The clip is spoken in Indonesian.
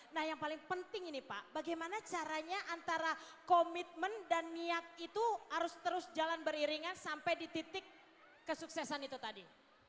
nah yang paling penting ini pak bagaimana caranya antara komitmen dan niat itu harus terus jalan beriringan sampai di titik kesuksesan itu tadi